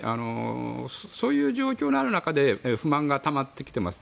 そういう状況のある中で不満が、たまってきています。